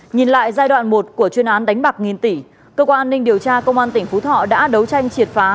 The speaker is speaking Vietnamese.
nhìn lại giai đoạn một của chuyên án đánh bạc nghìn tỷ cơ quan an ninh điều tra công an tỉnh phú thọ đã đấu tranh triệt phá